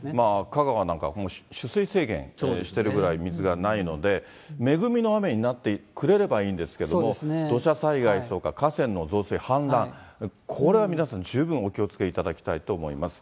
香川なんか取水制限してるくらい水がないので、恵みの雨になってくれればいいんですけれども、土砂災害とか河川の増水、氾濫、これは皆さん、十分お気をつけいただきたいと思います。